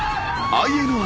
ＩＮＩ！